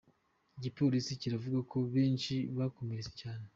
Igipolisi kiravuga ko benshi bakomeretse cyane.